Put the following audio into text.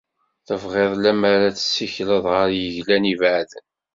Tebɣiḍ lemmer ad tessikleḍ ɣer yiglan ibeεden?